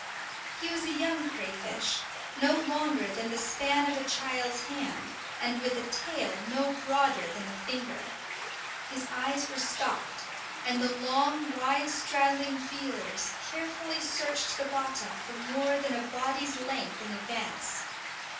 He was a young crayfish, no longer than the span of a child's hand, and with a tail no broader than a finger. His eyes were stalked, and the long, wide straddling feeling carefully searched the bottom for more than a body's length in advance.